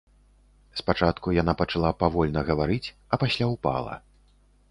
Спачатку яна пачала павольна гаварыць, а пасля ўпала.